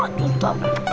betul banget ustadz